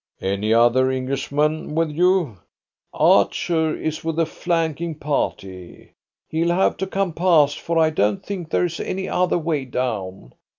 "Any other Englishman with you?" "Archer is with the flanking party. He'll have to come past, for I don't think there is any other way down.